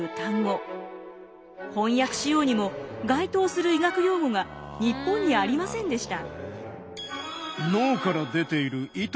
翻訳しようにも該当する医学用語が日本にありませんでした。